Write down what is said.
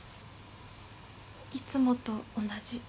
いつもと同じ。